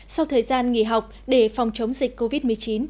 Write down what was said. sau thời gian nghỉ học để phòng chống dịch covid một mươi chín